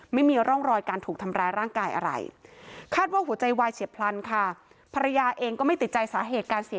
ไม่มีร่องรอยการถูกทำร้ายร่างกายอะไร